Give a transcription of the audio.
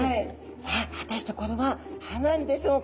さあ果たしてこれは歯なんでしょうか？